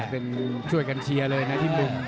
เป็นช่วยกันเชียร์เลยนะที่มุม